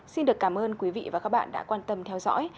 xin được cảm ơn quý vị và các bạn đã quan tâm theo dõi